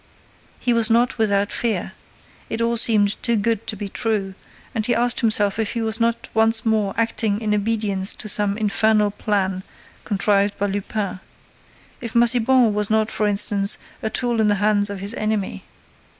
He was not without fear. It all seemed too good to be true; and he asked himself if he was not once more acting in obedience to some infernal plan contrived by Lupin, if Massiban was not for instance, a tool in the hands of his enemy.